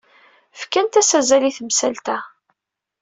Fkant-as azal i temsalt-a.